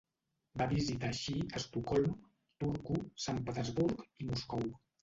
Va visitar així Estocolm, Turku, Sant Petersburg i Moscou.